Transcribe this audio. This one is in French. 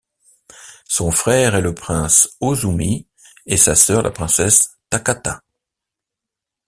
Son frère est le prince Hozumi et sa sœur la princesse Takata.